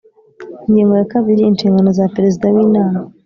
Ingingo ya kabiri Inshingano za Perezida w Inama